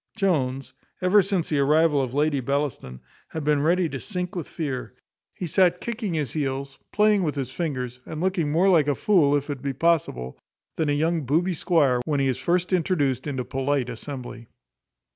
Jones, ever since the arrival of Lady Bellaston, had been ready to sink with fear. He sat kicking his heels, playing with his fingers, and looking more like a fool, if it be possible, than a young booby squire, when he is first introduced into a polite assembly.